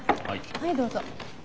はいどうぞ。